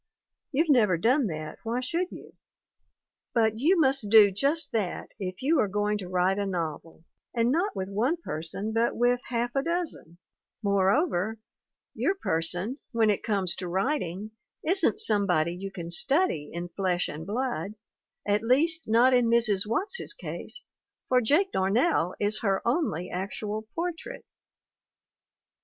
You've never done that why should you ? But you must do just that if you are going to write a novel, and not with one person, but with half a dozen ; moreover, your person, when it comes to writing, isn't somebody you can study in flesh and blood, at least, not in Mrs. Watts's case, for Jake Darnell is her only actual portrait.